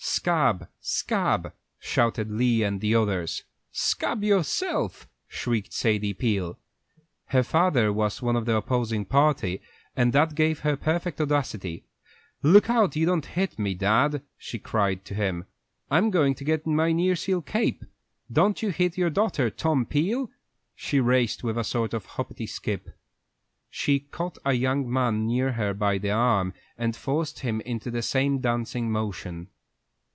"Scab! scab!" shouted Lee and the others. "Scab yourself!" shrieked Sadie Peel. Her father was one of the opposing party, and that gave her perfect audacity. "Look out you don't hit me, dad," she cried to him. "I'm goin' to get my nearseal cape. Don't you hit your daughter, Tom Peel!" She raced on with a sort of hoppity skip. She caught a young man near her by the arm and forced him into the same dancing motion.